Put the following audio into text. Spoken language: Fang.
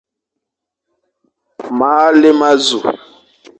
Mâa lé ma zu.